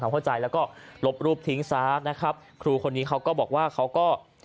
เข้าใจแล้วก็ลบรูปทิ้งซะนะครับครูคนนี้เขาก็บอกว่าเขาก็